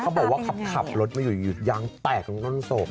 เค้าบอกว่าขับรถไม่อยู่ย็งแตกต้นศพ